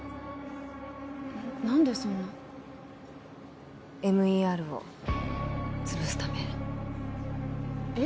えっ何でそんなＭＥＲを潰すためえっ？